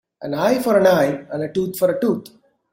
An eye for an eye and a tooth for a tooth.